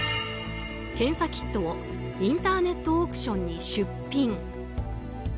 検査キットをインターネットオークションに出品。